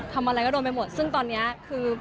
ทำอะไรก็โดนไปหมดซึ่งตอนนี้คือ